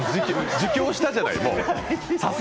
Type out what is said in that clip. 自供したじゃない。